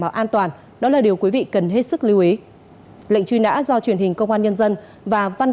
bảo an toàn đó là điều quý vị cần hết sức lưu ý lệnh truy nã do truyền hình công an nhân dân và văn